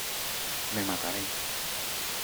¡ me mataré!...